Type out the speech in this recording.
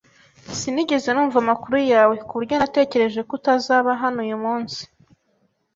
Sinigeze numva amakuru yawe, ku buryo natekereje ko utazaba hano uyu munsi.